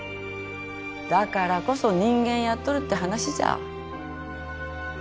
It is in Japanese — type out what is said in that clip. だからこそ人間やっとるって話じゃ。